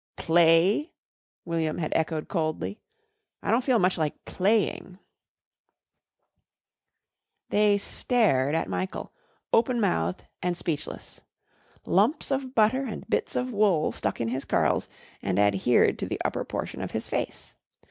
"Play?" William had echoed coldly. "I don't feel much like playing." They stared at Michael, openmouthed and speechless. Lumps of butter and bits of wool stuck in his curls and adhered to the upper portion of his face.